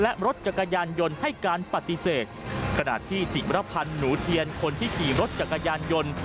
และรถจักรยานยนต์ให้การปฏิเสธขณะที่จิมรพันธ์หนูเทียนคนที่ขี่รถจักรยานยนต์